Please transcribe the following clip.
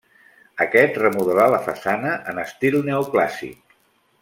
Aquest remodelà la façana en estil neoclàssic.